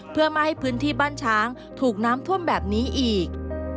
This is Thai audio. เพื่อไม่ให้พื้นที่บ้านช้างถูกน้ำท่วมแบบนี้อีก